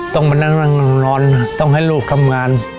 ต้องมานั่งนอนต้องให้ลูกทำงาน